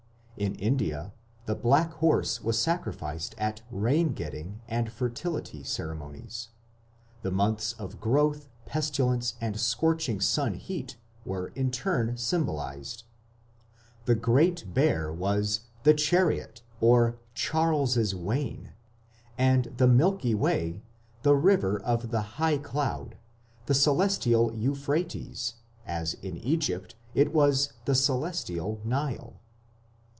In India the black horse was sacrificed at rain getting and fertility ceremonies. The months of growth, pestilence, and scorching sun heat were in turn symbolized. The "Great Bear" was the "chariot" = "Charles's Wain", and the "Milky Way" the "river of the high cloud", the Celestial Euphrates, as in Egypt it was the Celestial Nile.